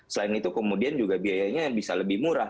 selain itu kemudian juga biayanya bisa lebih murah